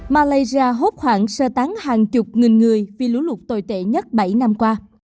malaysia hốt khoảng sơ tán hàng chục nghìn người vì lũ lụt tồi tệ nhất bảy năm qua